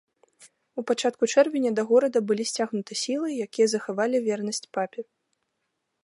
У пачатку чэрвеня да горада былі сцягнуты сілы, якія захавалі вернасць папе.